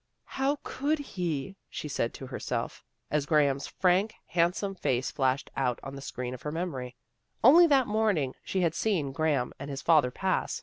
" How could he? " she said to herself, as Graham's frank, handsome face flashed out on the screen of her memory. Only that morning she had seen Graham and his father pass.